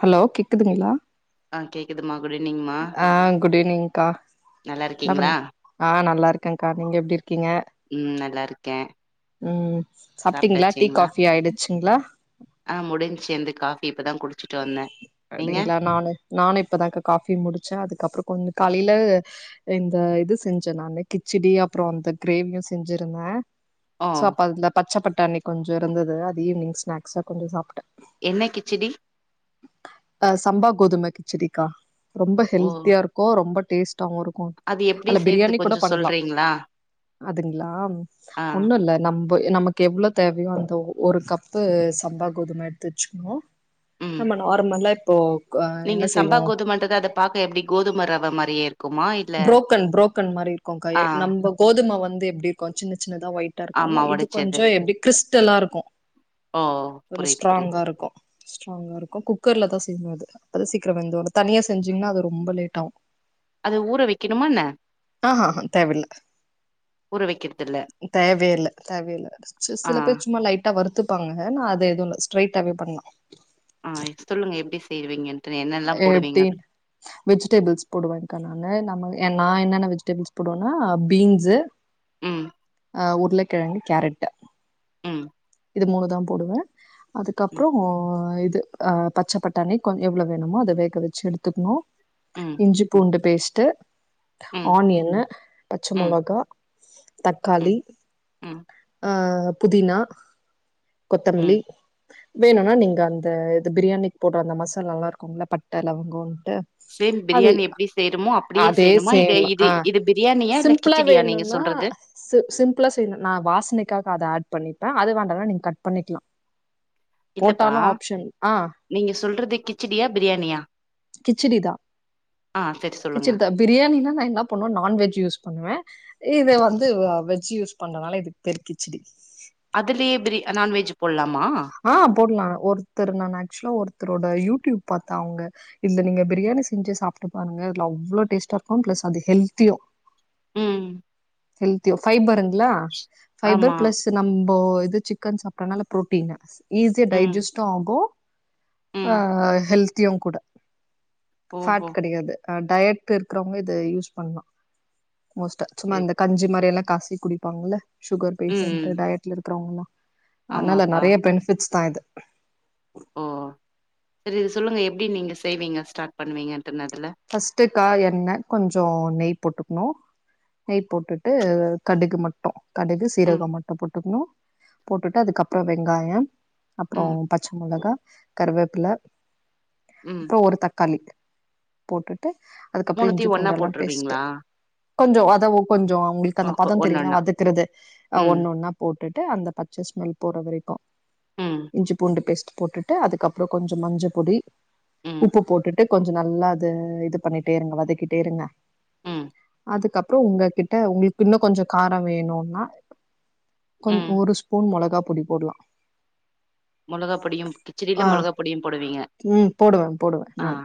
Hello கேக்குதுங்ளா ஆ கேக்குதுமா குட் ஈவினிங்மா ஆ குட் ஈவினிங்கா நல்லா என்ன பண் இருக்கீங்களா ஆ நல்லா இருக்கேகா நீங்க எப்டி இருக்கீங்க ம் நல்லா இருக்கே ம் சாப்ட்டீங்ளா டீ சாப்ட்டாச்சுங்களா காஃபி ஆயிடுச்சுங்ளா ஆ முடிஞ்சு அந்த காஃபி இப்பதா குடிச்சுட் அப்டிங்களா நானு நானு இப்பதாகா காஃபி முடிச்சே அதுக்கப்பறோ கொஞ்ச காலேல இந்த இது செஞ்சே நானு கிச்சடி அப்றோ அந்த கிரேவியு செஞ்சிருந்தே ஓ சோ அப்ப அதுல பச்ச பட்டாணி கொஞ்சோ இருந்தது அது ஈவினிங் ஸ்நாக்ஸ்ஸா கொஞ்ச சாப்டே என்ன கிச்சடி அ சம்பா கோதும கிச்சடிக்கா ரொம்ப ஓ ஹெல்த்தியா இருக் கு ரொம்ப டேஸ்ட்டாவு இருக்கு அது எப்டி அதுல செய்றது பிரியாணி கூட கொஞ்சோ பண்லா சொல்றீங்களா அதுங்களா ஆ ஒண்ணு இல்ல நம் போ நமக்கு எவ்ளோ தேவயோ அந்த ஒ ஒரு கப்பு சம்பா கோதும எடுத்து வச்சுக்கணு ம் நம்ம நார்மலா இப்போ அ நீங்க என்ன சம்பா செய்வோ கோதுமன்றது அத பாக்க எப்டி கோதும ரவ மாரியே இருக்குமா இல்ல புரோக்கன் புரோக்கன் மாரி இருக்கு காயே ஆ நம்ம கோதும வந்து எப்டி இருக்கு சின்ன சின்னதா வொயி் டா ஆமா இருக்குல இது கொஞ்ச ஒடச்சது எப்டி கிரிஸ்டலா இருக்கு ஓ கொஞ்ச புரியுது புரியுது ஸ்ட்ராங்கா இருக்கு ஸ்ட்ராங்கா இருக்கு குக்கர்ல தா செய்னு அது அத சீக்ரோ வெந்து வரு தனியா செஞ்சிங்னா அது ரொம்ப லேட் ஆவு அது ஊற வைக்கணுமான்ன ஆ ஹ ஹ தேவல்ல ஊற வக்கற்தில்ல தேவையேல்ல தேவையில்ல சில பேர் சும்மா லைட் ட வறுத்துப்பாங்க நா அது எதுவுல ஸ்ட்ரைட்வாவே பண்லா ஆ சொல்லுங்க எப்டி செய்வீங்கன் எப்டீன் வெஜிடேபிள்ஸ் போடுவேக்கா நானு நம்ம நா என்னென்ன வெஜிடேபிள்ஸ் போடுவனா பீன்ஸு ம் அ உருளக்கெழங்கு கேரட்டு ம் இது மூணு தா போடுவே ம் அதுக்கப்றோ இது ஆ பச்ச பட்டாணி கொ எவ்ளோ வேணுமோ அத வேக வச்சு எடுத்துக்கணு ம் இஞ்சி பூண்டு பேஸ்ட்டு ம் ஆனியனு பச்ச ம் மொளகா ம் தக்காளி ம் ஆ புதினா கொத்தமல்லி ம் வேணுன்னா நீங்க அந்த இது பிரியாணிக்கு போட்ற அந்த மசாலல்லா இருக்குல்ல பட்ட லவங்கோன்ட்டு சேம் அது பிரியாணி எப்டி செய்றோமோ அப்டியே அதே செய்யணுமா இது சேம் இது அ இது பிரியாணியா இல்ல சிம்பிளா கிச்சடியா நீங்க வேணுன்னா சொல்றது ச சிம்பிளா செய்ணு நா வாசனைக்காக அத ஆட் பண்ணிட்ட அது வேண்டனா நீங்க கட் பண்ணிக்லா இல்லப்பா போட்டாலு ஆப்ஷன் ஆ நீங்க சொல்றது கிச்சடியா பிரியாணியா கிச்டி தா ஆ சரி சொல்லுங்க கிச்டி தா பிரியாணின்னா நா என்ன பண்ணுவ நான்வெஜ் யூஸ் பண்ணுவ இத வந்து வெஜ் யூஸ் பண்றனால இது பேரு கிச்டி அதிலயே பிரி நான் வெஜ் போல்லாமா ஆ போட்லா ஒருத்தர் நா ஆக்சுவலா ஒருத்தரோட யூடியூப் பாத்தா அவுங்க இதுல நீங்க பிரியாணி செஞ்சு சாப்ட்டு பாருங்க இதுல அவ்வளவு டேஸ்டா இருக்கு பிளஸ் அது ஹெல்த்தியு ம் ஹெல்த்தியு ஃபபருங்ளா ஃபைபர் ஆமா பிளஸ் நம்போ இது சிக்கன் சாப்பற்னால புரோ ஈஸியா ம் டைஜஸ்டு ஆகு ஆ ம் ஹெல்த்தியு கூட ஓஹோ ஃபேட் அ கெடையாது டயட் இருக்கறவங்க இது யூஸ் பண்லா மோஸ்டா சும்மா சரி அந்த கஞ்சி மாறியல்லா கச குடிப்பாங்கல்ல சுகர் ம் பேஷண்ட் ம் டயட்ல இருக்கறவங்களா அதனால ஆமாப்பா நெறைய பென்ஃபிட்ஸ் தா இது ஓ சரி இது சொல்லுங்க எப்டி நீங்க செய்வீங்க ஸ்டார்ட் பண்ணுவீங்கன்ட்டு அதுல ஃபர்ஸ்ட்டுக்கா எண்ண கொஞ்சோ நெய் போட்டுக்கணு நெய் போட்டுட்டு கடுகு மட்டு கடுகு ம் சீரகம் மட்டு போட்டுக்கணு போட்டுட்டு அதுக்கப்றோ வெங்காயம் அப்றோ ம் பச்ச மொளகா கருவேப்பில ம் இப்போ ஒரு தக்காளி போட்டுட்டு அதுக்கப்புறோ இஞ்சி மூணுத்தையு ஒன்னா பூண்டு எல்லா பேஸ்ட்டு போட்டுருவீங்களா கொஞ்சோ ஒதவு கொஞ்சோ அவுங்களுக்கு ஒ அந்த பதோ தெரியுல ஒன்னொன்னா வதக்குறது ம் ஒண்ணு ஒன்னா போட்டுட்டு அந்த பச்சஸ்மெல் போற வரைக்கு ம் பூண்டு பேஸ்ட் போட்டுட்டு அதுக்கப்றோ கொஞ்ச மஞ்ச பொடி ம் உப்பு போட்டுட்டு கொஞ்சோ நல்லா து இது பண்ணிட்டே இருங்க வதக்கிட்டே இருங்க ம் அதுக்கப்பறோ உங்ககிட்ட உங்களுக்கு இன்னும் கொஞ்சோ காரம் வேணும்னா கொங் ம் ஒரு ஸ்பூன் மொளகா பொடி போடலாம் மொளகா பொடியும் கிச்சடில ஆ மொளகா பொடியும் போடுவீங்க உ போடுவேன் போடுவேன் ஆ நான்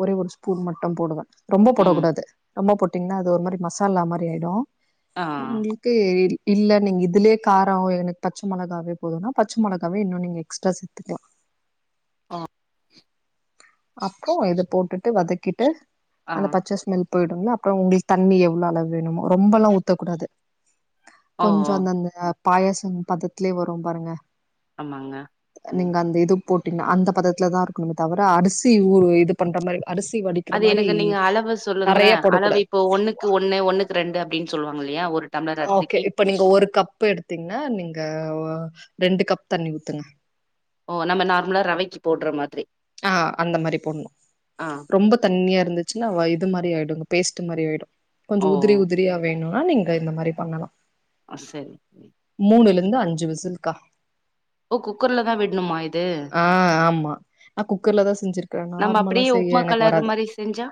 ஒரே ஒரு ஸ்பூன் மட்டும் போடுவேன் ரொம்ப போடக் ம் கூடாது ரொம்ப போட்டீங்கன்னா அது ஒரு மாரி மசாலா மாரி ஆய்டும் ஆ உங்களுக் க்கு இல்ல நீங்க இதுலயே காரோ எனக்கு பச்சை மிளகாவே போதும்னா பச்சை மிளகாவே இன்னும் நீங்க எக்ஸ்ட்ரா சேத்துக்கலா ஆ அப்பறோ இத போட்டுட்டு வதக்கிட்டு ஆ அந்த பச்ச ஸ்மெல் போய்டுல அப்பறம் உங்களுக்கு தண்ணி எவ்ளோ அளவு வேணுமோ ரொம்ப எல்லாம் ஊத்தக் கூடாது ஓ ஓ கொஞ்சம் அந்த அந்த பாயசம் பதத்திலயே வரும் பாருங்க ஆமாங்க நீங்க அந்த இது போட்டீங்கா அந்த பதத்துல தான் இருக்கணுமே தவிர அரிசி ஊ இது பண்ற மாரி அரிசி வடி அது எனக்கு நீங்க அளவு சொல்லுங்களே அளவு போடக்கூடாது இப்போ ஒண்ணுக்கு ஒண்ணு ஒன்னுக்கு ரெண்டு அப்டின்னு சொல்லுவாங்க இல்லையா ஒரு டம்ளர் ஓகே அரிசிக்கு இப்ப நீங்க ஒரு கப் எடுத்தீங்கன்னா நீங்க ரெண்டு கப் தண்ணி ஊத்துங்க ஓ நம்ம நார்மலா ரவைக்கு போடுற மாதிரி ஆ அந்த மாரி போண்ணு ஆ ரொம்ப தண்ணியா இருந்துச்சுன்னா இது மாரி ஆய்டும் பேஸ்ட் மாரி ஆய்டும் ஓ கொஞ்சம் உதிரி உதிரியா வேணும்னா நீங்க தோ இந்த மாரி பண்ணனும் ஆ சேர் மூணுல இருந்து அஞ்சு விசில்கா ஓ குக்கர்ல தா விடணுமா இது ஆ ஆமா நா குக்கர்ல தான் செஞ்சிருக்கேன் நம்ம நார்மலா அப்டியே உப்மா செய்ய எனக்கு கலர் வராது மாரி செஞ்சா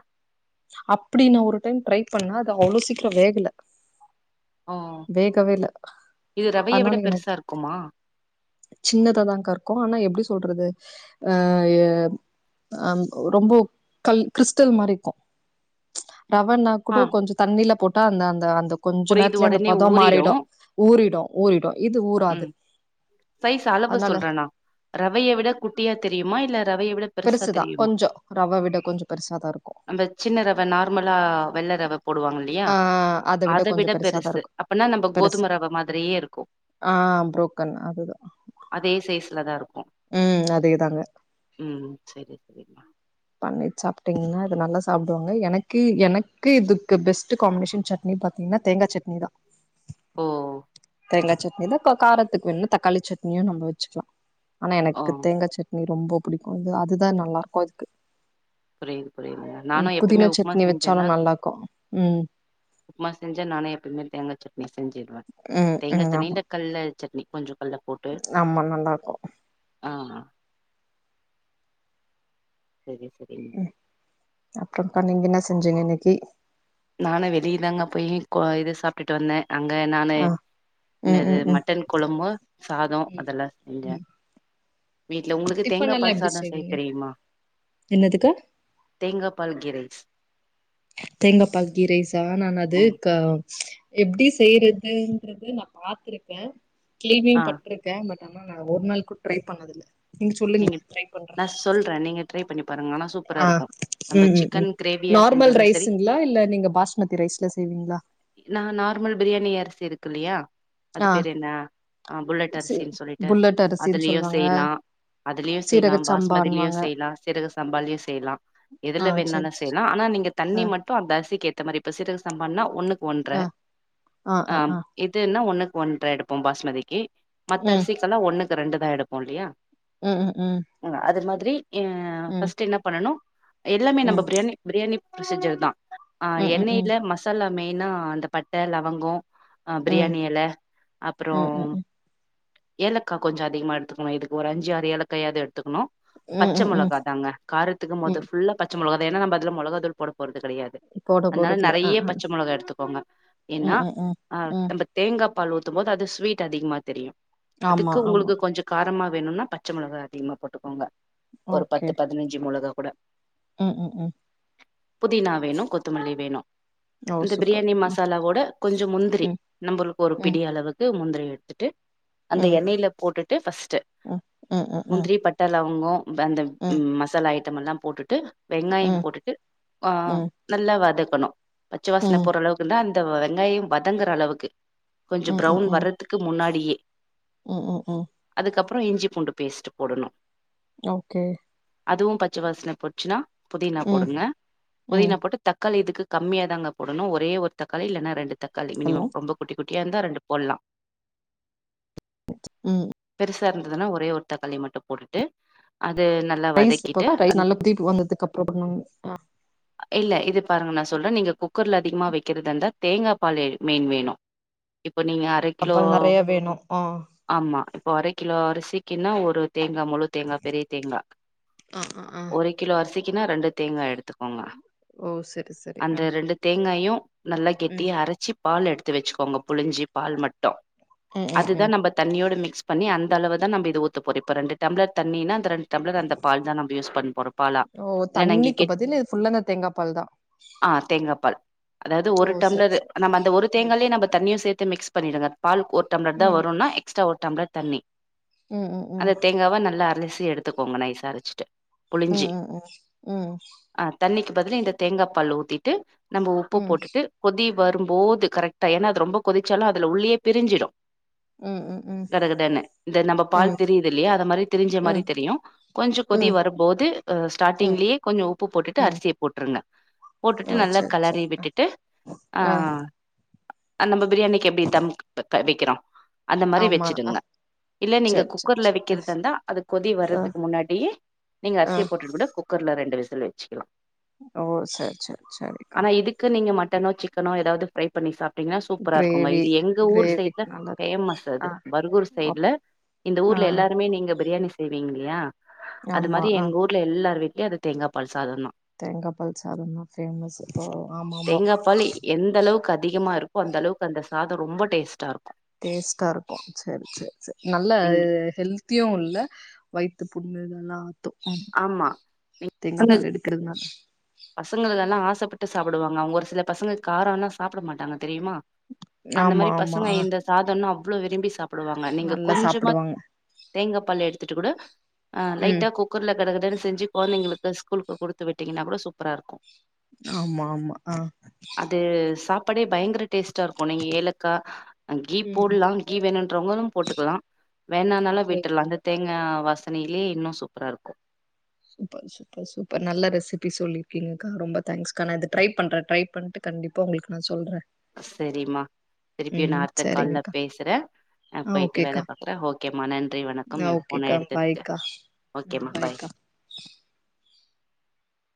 அப்டி நா ஒரு டைம் ட்ரை பண்ண அது அவ்ளோ சீக்கிரம் வேகல ஓ வேகவே இல்ல இது ரவைய விட அதனால எனக் பெருசா இருக்குமா சின்னதா தாங்க்கா இருக்கும் ஆனா எப்டி சொல்றது அ ஹைய அம் ரொம்ப கல் கிறிஸ்டல் மாரி இருக்கும் ரவனா கூட ஆ கொஞ்சம் தண்ணில போட்டா அந்த அந்த அந்த கொஞ்ச புரியுது நேரத்துலயே அந்த ஒடனே பதம் ஊறிடு மாறிடும் ஊறிடும் ஊறிடும் இது ஊராது ம் சைஸ் அளவு சொல்றேனா ரவைய விட குட்டியா தெரியுமா இல்ல ரவைய விட பெருசா பெருசுதா தெரியும் கொஞ்சோ ரவ விட கொஞ்சோ பெருசாதா இருக்கு நம்ம சின்ன ரவை நார்மலா வெள்ள ரவை போடுவாங்க இல்லையா ஆ அத அதை கொஞ்சோ விட பெருசாதா பெருசு இருக்கு அப்பன்னா நம்ம பெருசு கோதும ரவ மாதிரியே இருக்கும் ஆ பு்ரோக்கன் அதுதான் அதே சைஸ்ல தான் இருக்கும் ம் அதேதாங்க ம் செரி சரிம்மா பண்ணி சாப்பிட்டீங்கன்னாது நல்லா சாப்டுவாங்க எனக்கு இது எனக்கு இது பெஸ்ட் காம்பினேஷன் சட் சட்னி பாத்தீங்கனா தேங்காய் சட்னி தான் ஓ தேங்காய் சட்னி தான் காரத்துக்கு வேணும்னா தக்காளி சட்னியும் நம்ப வச்சுக்கலாம் ஆனா ஓ எனக்கு தேங்கா சட் நீ ரொம்ப புடிக்கும் இது அதுதான் நல்லா இருக்கும் அதுக்கு புரியுது புரிது ம் நானும் எப்பவுமே புதினா உப்புமா சட்னி வச்சாலு செஞ்சேன நல்லா இருக்கு ம் உப்புமா செஞ்சா நானே எப்பயுமே தேங்காய் சட்னி செஞ்சடுவேன் ம் தேங்காய் ம் ஆமா சட்னில கல்ல சட்னி கொஞ்சம் கல்ல போட்டு ஆமா நல்லா இருக்கு ஆ செரி செரிங் அப்றோக்கா நீங்க என்ன செஞ்சீங்க இன்னைக்கு நானு வெளிய தாங்க போய் கா இது சாப்ட்டுட்டு வந்தே அங்க நானு ஆ ம் என்னது ம் ம் மட்டன் குழம்பு சாதோ ம் அதெல்லா செஞ்சே ம் வீட்ல உங்களுக்கு தேங்கா டிஃபன் எல்லா எப்டி பால்சாதோ செய்ய செய்வீங்க தெரியுமா என்னதுக்கா தேங்கா பால் கீ ரைஸ் தேங்கா பால் கீ ரைசா நான் அது ம் க எப்படி செய்யறதுன்றது நா பாத்திருக்கே கேள்வியு ஆ பட்டுருக் க பட் ஆனா நா ஒரு நாள் கூட ட்ரை பண்ணதில்ல நீங்க சொல்லுங்க ட்ரை பண்ற சொல்ற நீங்க ட்ரை பண்ணி பாருங்க ஆனா சூப்பரா இருக்கு நம்ம ம் ம் ம் சிக்கன் கிரேவியா செஞ்சாலு சரி குளத்தி ரைஸ்ல செய்வீங்களா நா நார்மல் பிரியாணி அரிசி இருக்கு இல்லையா அது ஆ பேரு என்ன ஆ புல்லட் சே அரிசின்னு சொல்லிட்டு புல்லட் அரிசின்னு அதுலயு சொல்லுவாங்க செய்யலா அதுலயு செய்யலா சீரக பாஸ்மதிலயு சம்பான்னுவாங்க செய்லா. சீரக சம்பாலயு செய்யலா ஆ எதுல சரி வேணாலும் சரி செய்யலா ஆனா நீங்க தண்ணி ஆ மட்டு அந்த அரிசிக்கு ஏத்த மாதிரி இப்ப சீரக சம்பான்னா ஒன்னுக்கு ஒன்ற ஆ ஆ இதுன்னா ஒன்னுக்கு ஒன்ற எடுப்பபோ பாஸ்மதிக்கு மத்த ம் அரிசிக்கெல்லா ஒன்னுக்கு ரெண்டு தா எடுப்போ இல்லையா ம் ம் ம் அது மாதிரி அ ம் ஃபர்ஸ்ட் என்ன பண்ணனு எல்லாமே நம்ம ம் பிரியாணி பிரியாணி ப்ரொசீஜர் தா ஆஹ் ம் ம் எண்ணெயில மசாலா மெயினா அந்த பட்ட லவங்கோ ஆ ம் ம் பிரியாணி எல அப்றோ ம் ம் ம் ஏலக்கா கொஞ்சோ அதிகமா எடுத்துக்கணு இதுக்கு ஒரு அஞ்சு ஆறு ஏலக்காயாவது எடுத்துக்கணு ம் ம் ம் பச்சமொளகா தாங்க காரத்துக்கு மொத ம். ஃபுல்லா பச்சமொளக தா ஏன்னா நம்ம அதல மொளகா தூள் போட போறது கெடையாது போட அதனால போறதில்ல. அ, நெறைய அ. பச்ச மொளகா எடுத்துக்கோங்க ஏன்னா ம், ம், ம், ஆ ம். தேங்கா பால் ஊத்தும்போது அது ஸ்வீட் அதிகமா தெரியு ஆமா, அதுக்கு ஆமா. உங்களுக்கு கொஞ்சோ காரமா வேணும்னா பச் பச்சமொளக அதிகமா போட்டுக்கோங்க ஒரு பத்து ஓகே. பதினைஞ் மொளகா கூட ம் ம் ம் புதினா வேணு கொத்தமல்லி வேணு ஓ! இந்த சூப்பர். பிரியாணி அ. மசாலாவோட கொஞ்சோ முந்திரி ம், நம்மளுக்கு ஒரு ம், பிடி அளவுக் இது முந்திரி எடுத்துட்டு அந்த ம், எண்ணெயில போட்டுட்டு ஃபர்ஸ்ட்டு ம், ம், ம், ம், முந்திரி பட்ட லவங்கோ அந்த ம், ம், மசாலா ஐட்ட எல்லாம் போட்டுட்டு வெங்காயம் ம், போட்டுட்டு ஆ ம், நல்லா வதக்கணு பச்ச வாசனை ம், போறளவு அப்பந்தா அந்த வெங்காயோ வதங்குற அளவுக்கு கொஞ்சோ ம், ம், ப்ரவுன் வரத்துக்கு முன்னாடியே ம் ம் ம் அதுக்கப்றோ இஞ்சி பூண்டு பேஸ்ட் போடணு ஓகே அதுவு பச்ச வாசன போச்சினா புதினா ம், போடுங்க ம். புதினா போட்டு தக்காளி இதுக்கு கம்மியா தாங்க போடணு ஒரே ஒரு தக்காளி இல்லனா ரெண்டு தக்காளி ஹலோ. மினிமம் குட்டி குட்டியா இருந்தா ரெண்டு போடலா ம் பெருசா இருந்ததுன்னா ஒரே ஒரு தக்காளி மட்டும் போட்டுட்டு அது நல் ரைஸ்ப்பக்கா ரைஸ் நல்லா தீ வந்ததுக்கு அப்புறோ பண்ணுவாங்க இல்ல இது பாருங்க நர் சொல்ற நீங்க குக்கர்ல அதிகமா வைக்கிறதா இந்தா தேங்கா பால் மீன் வேணு இப்ப நீங்க அரை அப்பல்லா நறைய வேணு ஆஹ் ஆமா இப்போ அரை கிலோ அரிசிக்குன்னா ஒரு தேங்கா முழு தேங்கா பெரிய தேங்கா ஆ, ஆ, ஆ. ஒரு கிலோ அரிசிக்கின்னா ரெண்டு தேங்கா எடுத்துக்கோங்க ஓ! சரி, சரி. ஆ. அந்த ரெண்டு தேங்காயு நல்லா ம், கெட்டியா அரச்சி பால் எடுத்து வச்சிக்கோங்க புழிஞ்சி பால் மட்டு ம், ம், அதுதா ம். நம்ப தண்ணியோட மிக்ஸ் பண்ணி அந்த அளவு தா நம்ம இத ஊத்த போறோ இப்ப ரெண்டு டம்ளர் தண்ணினா அந்த ரெண்டு டம்ளர் அந்த பால் தா நம்ம யூஸ் பண்ண போறோ பாலா ஓ! இல்ல நா இங்க தண்ணிக்கு கேக் பதிலு ஃபுல்லா அந்த தேங்கா பால் தான். ஆ தேங்கா பால் அதாது ஓ! ஒரு சரி, டம்ளரு சரி. நம்ம அந்த ஒரு ம், தேங்காலயே நம்ம தண்ணியு சேத்து மிக்ஸ் பண்ணிடுங்க பால் ஒரு டம்ளர் தா ம், வருன்னா எக்ஸ்ட்ரா ஒரு டம்ளர் தண்ணி ம், ம், ம். அந்த தேங்காவ நல்லா அரச்சி எடுத்துக்கோங்க நைசா அரச்சிட்டு ம் புழிஞ்சி ம் ம் ஆ தண்ணிக்கு பதிலா இந்த தேங்கா பால் ஊத்திட்டு நம்ப உப்பு ம் போட்டுட்டு கொதி வரும்போது கரெக்டா ஏன்னா அது ரொம்ப கொதிச்சாலு அதுல உள்ளயே பிரிஞ்சிடு ம் ம் ம் கட கடன்னு இந்த நம்ம பால் திரியுது இல்லையா அத மாரி திரிஞ்ச மாரி ம் ம் தெரியு கொஞ்சோ கொதி ம் வரும் போது ஸ்டார்ட்டிங்லயே கொஞ்சோ உப்பு போட்டுட்டு ம் அரிசிய போட்ருங்க ஓ போட்டுட்டு நல்லா சரி கெளரி சரி அ விட்டுட்டு ஆ ஆ நம்ம பிரியாணிக்கி எப்டி தம் வைக்கிறோ அந்த மாரி ஆமா அ வச்சிடுங்க இல்ல நீங்க சரி சரி குக்கர்ல சரி வெக்கிறதா இருந்தா அது கொதி அ வர்றதுக்கு முன்னாடியே நீங்க ஆ அரிசிய போட்டுட்டு கூட குக் குக்கர்ல ரெண்டு விசில் வச்சிக்கிலா ஓ செர் செர் செரிக்கா க்கு நீங்க மட்டனோ சிக்கனோ ஏதாவது ஃப்ரை பண்ணி சாப்ட்டீங்கன்னா சூப்பரா இருக்குங்க கிரேவி இது எங்க ஊர் சைட்ல கிரேவிக்கு நல்லது பேமஸ் அது ஆ பர்கூர் அப் சைட்ல இந்த ஆ ஊர்ல எல்லாருமே நீங்க பிரியாணி செய்வீங்க இல்லையா அது ஆமா மாரி ஆ எங்க ஊர் வீட்ல எல்லார் வீட்லயு அது தேங்கா பால் சாதந்தா தேங்காப்பால் சாதந்தா பேமஸ் இப்போ ஆமாமா தேங்கா பால் எந்த அளவுக்கு அதிகமா இருக்கோ அந்த அளவுக்கு அந்த சாதோ ரொம்ப டேஸ்ட்டா இருக்கு டேஸ்ட்டா இருக்கு செரி செரி செரி நல்ல நீங்க ஹெல்த் தியு உள்ள வயித்து புண்ணு இதெல்லா ஆத்து ஆமா தேங்கா பால் எடு கிறதுனா பசங்களு இதெல்லா ஆசப்பட்டு சாப்டுவாங்க அவங்க ஒரு சில பசங்க காரோன்னா சாப்ட மாட்டாங்க தெரியுமா அந்த ஆமா மாரி ஆமா பசங்க ஆ இந்த சாதோன்னா அவ்ளோ விரும்பி சாப் டுவாங்க நீங்க நல்லா கொஞ்சமா சாப்பிடுவாங்க தேங்க பால் எடுத்துட்டு கூட ஆ ம் லைட்டா குக் குக்கர்ல கட கடன்னு செஞ்சி கொழந்தைங்களுக்கு ஸ்கூலுக்கு குடுத்து விட்டீங்கன்னா கூட சூப்பரா இருக்கு ஆமா ஆமா ஆ அது சாப் பாடே பயங்கர டேஸ்ட்டா இருக்கு நீங்க ஏலக்கா ஆ கீ ம் போடலா கீ வேணுன்றவங்க போட்டுக்கலா வேணன்னாலு ஓகே விட்றலா அந்த தேங்கா வாசனைலயே இன்னு சூப்பரா இருக்கு சூப்பர் சூப்பர் சூப்பர் நல்ல ரெசிபி சொல்லிருக்கீங்கக்கா ரொம்ப தேங்க்ஸ்கா நா இத ட்ரை பண்றே ட்ரை பண்ட்டு கண்டிப்பா உங்களுக்கு நா சொல்றே செரிமா திருப்பியு நா ம் அடுத்த கால்ல சரிங்கக்கா பேசுறே நா ஆ போயிட்டு வேல ஓகேக்கா பாக்குறே ஓகேம்மா நன்றி வணக்கம் ஆ ஏ ஃபோன ஓகேக்கா எடுத்ததுக்கு பாய்க்கா ம் ஓகேம்மா பாய் பாய்க்கா